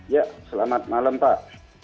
ya selamat malam pak